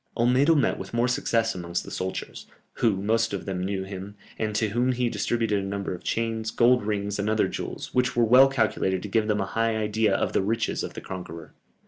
Olmedo met with more success amongst the soldiers, who most of them knew him, and to whom he distributed a number of chains, gold rings, and other jewels, which were well calculated to give them a high idea of the riches of the conqueror.